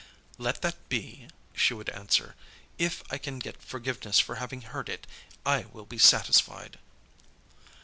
"Let that be," she would answer. "If I can get forgiveness for having heard it I will be satisfied."